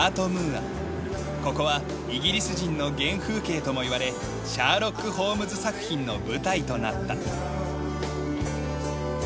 ここはイギリス人の原風景ともいわれ『シャーロック・ホームズ』作品の舞台となった。